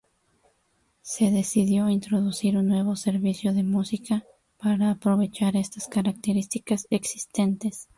Se decidió introducir un nuevo servicio de música para aprovechar estas características existentes.